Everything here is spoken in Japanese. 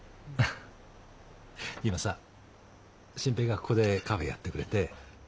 今さ真平がここでカフェやってくれて。